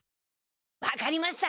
分かりました！